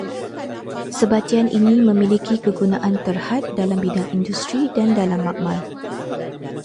Sebatian ini memiliki kegunaan terhad dalam bidang industri dan dalam makmal